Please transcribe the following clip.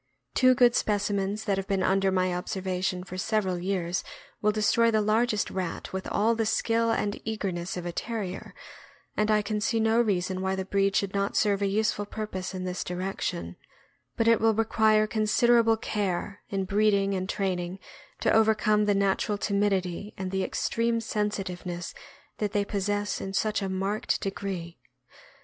Two good speci mens that have been under my observation for several years will destroy the largest rat with all the skill and eagerness of a Terrier, and I can see no reason why the breed should not serve a useful purpose in this direction; but it will require considerable care in breeding and train ing to overcome the natural timidity and extreme sensitive ness that they possess in such a marked degree.